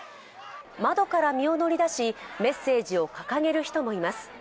窓から身を乗り出し、メッセージを掲げる人もいます。